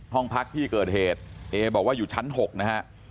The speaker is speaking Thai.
ห้องพักที่เกิดเหตุเอบอกว่าอยู่ชั้น๖นะฮะ